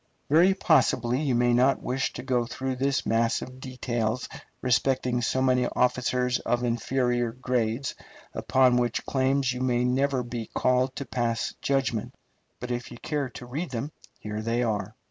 Very possibly you may not wish to go through this mass of details respecting so many officers of inferior grades, upon whose claims you may never be called to pass judgment. But if you care to read them here they are.